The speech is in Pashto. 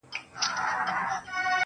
ماته به بله موضوع پاته نه وي.